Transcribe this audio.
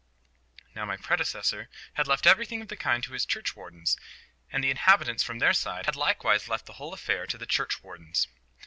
Now my predecessor had left everything of the kind to his churchwardens; and the inhabitants from their side had likewise left the whole affair to the churchwardens.